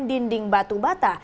dinding batu bata